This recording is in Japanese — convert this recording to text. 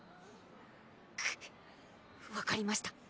くっ分かりました。